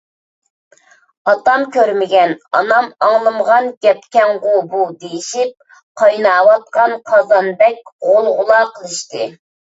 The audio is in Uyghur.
ئاتام كۆرمىگەن، ئانام ئاڭلىمىغان گەپكەنغۇ بۇ دېيىشىپ، قايناۋاتقان قازاندەك غۇلغۇلا قىلىشتى.